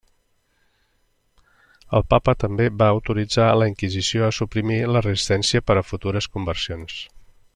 El papa també va autoritzar la Inquisició a suprimir la resistència per a futures conversions.